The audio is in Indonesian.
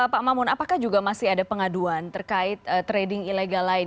pak mamun apakah juga masih ada pengaduan terkait trading ilegal lain